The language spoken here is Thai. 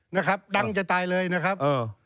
นะครับดังจะตายเลยนะครับเออ